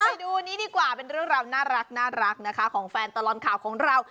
ไปดูนี้ดีกว่าเป็นเรื่องราวน่ารักนะคะของแฟนตลอดข่าวของเรา